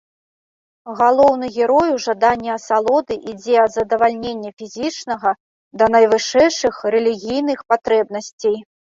Галоўны герой у жаданні асалоды ідзе ад задавальнення фізічнага да найвышэйшых рэлігійных патрэбнасцей.